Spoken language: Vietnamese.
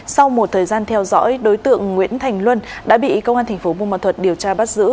sau một thời gian theo dõi đối tượng nguyễn thành luân đã bị công an tp bùn ban thuật điều tra bắt giữ